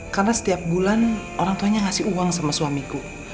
karena setiap bulan orang tuanya ngasih uang sama suamiku